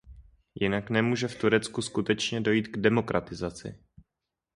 Jinak nemůže v Turecku skutečně dojít k demokratizaci.